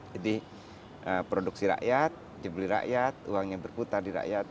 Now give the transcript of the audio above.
jadi produksi rakyat dibeli rakyat uangnya berputar di rakyat